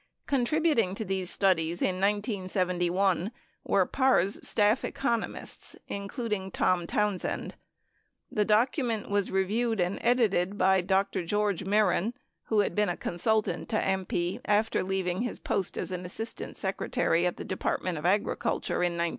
Contributing to these studies in 1971 w r ere Parr's staff economists, including Tom Townsend. 1 The document was reviewed and edited by Dr. George Mehren, 2 who had been a consultant to AMPI after leaving his post as an Assistant Secretary at the Department of Agriculture in 1968.